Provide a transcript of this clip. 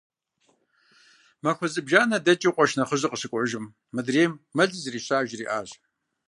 Махуэ зыбжанэ дэкӀыу къуэш нэхъыжьыр къыщыкӀуэжым, мыдрейм мэлыр зэрищар жриӀащ.